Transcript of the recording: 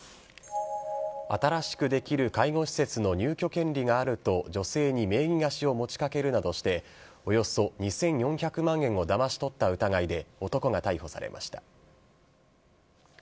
新しくできる介護施設の入居権利があると、女性に名義貸しを持ちかけるなどして、およそ２４００万円をだまし取った疑いで男が逮捕されました。